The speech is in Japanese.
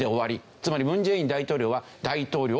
つまり文在寅大統領は。